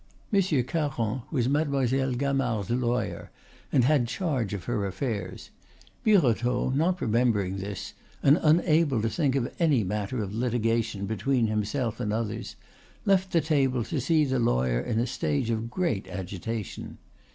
Monsieur Caron was Mademoiselle Gamard's laywer, and had charge of her affairs. Birotteau, not remembering this, and unable to think of any matter of litigation between himself and others, left the table to see the lawyer in a stage of great agitation.